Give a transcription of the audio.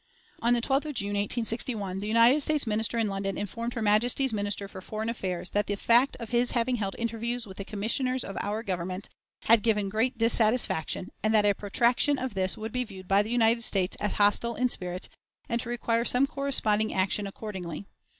On the 12th of June, 1861, the United States Minister in London informed her Majesty's Minister for Foreign Affairs that the fact of his having held interviews with the Commissioners of our Government had given "great dissatisfaction, and that a protraction of this would be viewed by the United States as hostile in spirit, and to require some corresponding action accordingly."